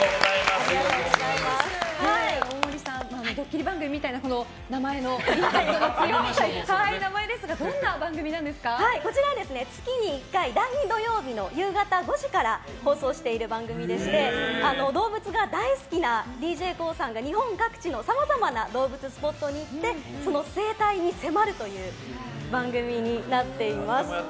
大森さんドッキリ番組みたいなインパクトの強い名前ですがこちらは月に１回第２土曜日の夕方５時から放送している番組でして動物が大好きなＤＪＫＯＯさんが日本各地のさまざまな動物スポットに行ってその生態に迫るという番組になっています。